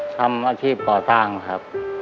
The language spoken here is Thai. ทำอาชีพก่อสร้างครับ